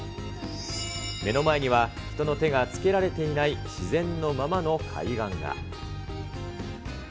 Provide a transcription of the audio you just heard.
目の前には人の手がつけられていない自然のままの海岸が。